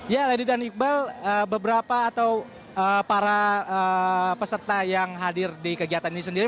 ya lady dan iqbal beberapa atau para peserta yang hadir di kegiatan ini sendiri